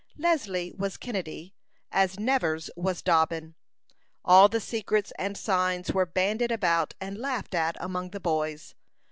Leslie was Kennedy, as Nevers was Dobbin. All the secrets and signs were bandied about and laughed at among the boys.